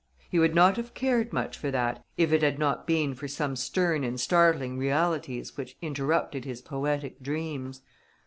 He would not have cared much for that, if it had not been for some stern and startling realities which interrupted his poetic dreams.